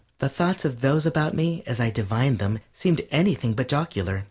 The thoughts of those about me, as I divined them, seemed anything but jocular.